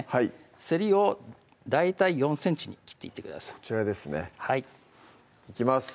せりを大体４ｃｍに切ってくださいこちらですねいきます